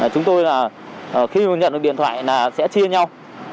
chúng tôi là khi mà nhận được điện thoại là sẽ chia nhau